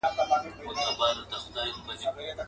او پر سر یې را اخیستي کشمیري د خیال شالونه.